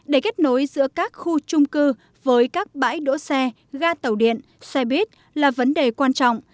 để kết nối giữa các khu trung cư với các bãi đỗ xe ga tàu điện xe buýt là vấn đề quan trọng